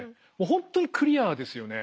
本当にクリアですよね。